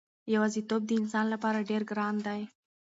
یوازېتوب د انسان لپاره ډېر ګران دی.